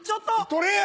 取れや！